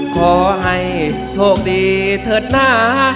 ขอให้โทษดีเถิดหน้า